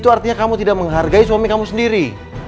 itu artinya kamu tidak menghargai suami kamu sendiri